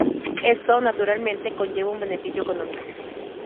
Esto, naturalmente, conlleva un beneficio económico.